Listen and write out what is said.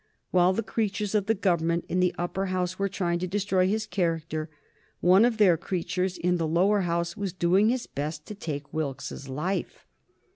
While the creatures of the Government in the Upper House were trying to destroy his character, one of their creatures in the Lower House was doing his best to take Wilkes's life.